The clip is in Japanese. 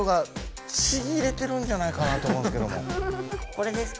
これですか？